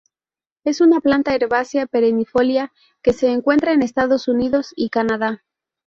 Es una planta herbácea perennifolia que se encuentra en Estados Unidos y Canadá.